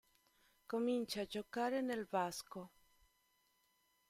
Comincia a giocare nel Vasco.